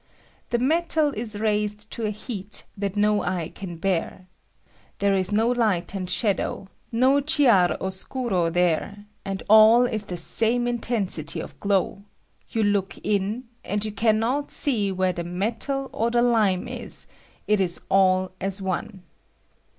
The metal is raised to a heat that no eye can bear. There is no light and shadow, no chiar oscuro there ; all is the same intensity of glow : you look in, and you can not see "where the metal or the lime is ; it is all as one.